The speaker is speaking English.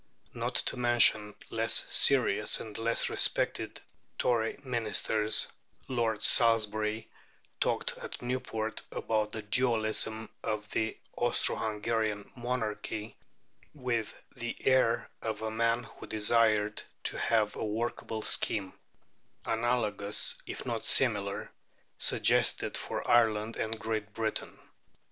Not to mention less serious and less respected Tory Ministers, Lord Salisbury talked at Newport about the dualism of the Austro Hungarian Monarchy with the air of a man who desired to have a workable scheme, analogous, if not similar, suggested for Ireland and Great Britain.